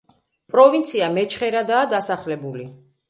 პროვინცია მეჩხერადაა დასახლებული.